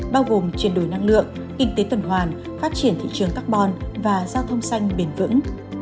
bao gồm chuyển đổi năng lượng kinh tế tuần hoàn phát triển thị trường carbon và giao thông xanh bền vững